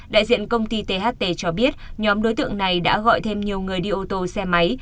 đại diện công ty tht cho biết nhóm đối tượng này đã gọi thêm nhiều người đi ô tô xe máy